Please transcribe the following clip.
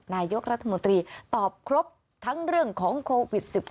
นายกรัฐมนตรีตอบครบทั้งเรื่องของโควิด๑๙